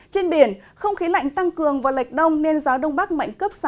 trên biển không khí lạnh tăng cường vào lệch đông nên gió đông bắc mạnh cấp sáu